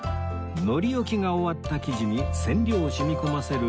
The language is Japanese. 糊置きが終わった生地に染料を染み込ませる